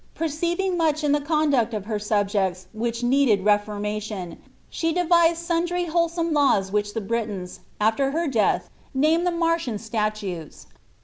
Perceiving much in the con duct of her subjects which needed reformation, she devised sundry wholesome laws which the Britons, after her death, named the Mar tian statutes.